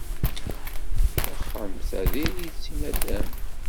Taxxamt-a diri-tt i nadam.